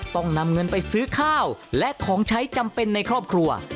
ต้องนำเงินไปซื้อข้าวและของใช้จำเป็นในครอบครัว